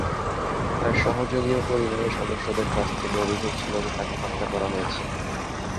তার সহযোগী ও পরিবারের সদস্যদের কাছ থেকে অভিযোগ ছিল যে তাকে হত্যা করা হয়েছে।